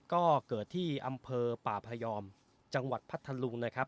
ก็เกิดที่อำเภอป่าพยอมจังหวัดพัทธลุงนะครับ